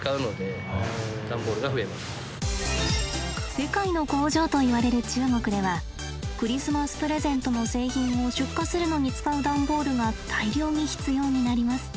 世界の工場といわれる中国ではクリスマスプレゼントの製品を出荷するのに使う段ボールが大量に必要になります。